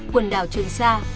quần đảo trường sa